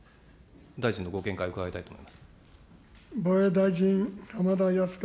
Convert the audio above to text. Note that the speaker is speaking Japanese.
大臣のご見解、伺いたいと思います。